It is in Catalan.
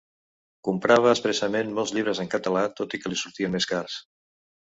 Comprava expressament molts llibres en català tot i que li sortien més cars.